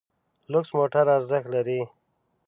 لوکس موټر ارزښت لري.